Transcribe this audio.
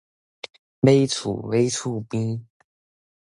買厝，買厝邊